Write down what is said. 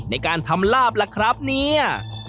ในการทำลาบล่ะครับเนี่ย